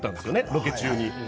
ロケ中に。